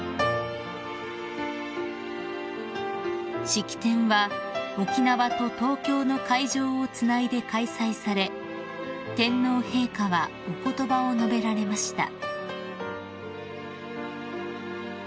［式典は沖縄と東京の会場をつないで開催され天皇陛下はお言葉を述べられました］